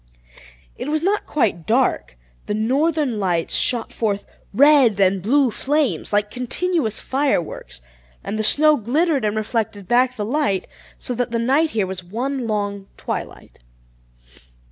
It was not quite dark; the northern lights shot forth red and blue flames, like continuous fireworks, and the snow glittered, and reflected back the light, so that the night here was one long twilight.